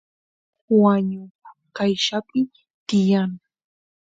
wañu qayllapi tiyan